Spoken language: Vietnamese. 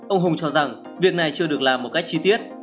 ông hùng cho rằng việc này chưa được làm một cách chi tiết